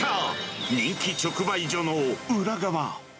人気直売所の裏側。